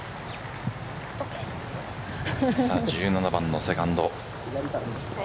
１７番のセカンド。